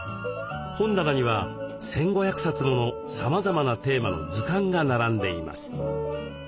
本棚には１，５００冊ものさまざまなテーマの図鑑が並んでいます。